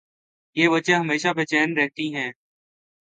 یہ بچے ہمیشہ بے چین رہتیں ہیں